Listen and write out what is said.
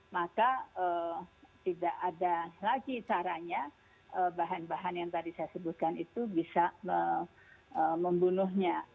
maka tidak ada lagi caranya bahan bahan yang tadi saya sebutkan itu bisa membunuhnya